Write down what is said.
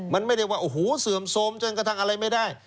มันไม่ได้ว่าโอ้โหเสื่อมโทรมจนกระทั่งอะไรไม่ได้